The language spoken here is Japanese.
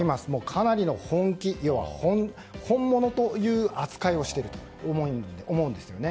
かなりの本気、本物という扱いをしていると思うんですよね。